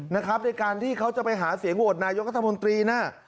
ในการที่เขาจะไปหาเสียงโหวตนายกัธมนตรีน่ะ